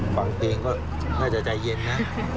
ฟังเพลงก็น่าจะใจเย็นนะ